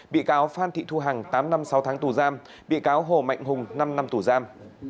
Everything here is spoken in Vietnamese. bị cáo phan thị thu hằng tám năm sáu tháng tù giam bị cáo hồ mạnh hùng năm năm tù giam